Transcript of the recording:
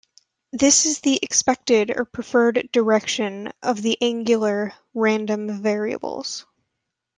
This is the expected or preferred direction of the angular random variables.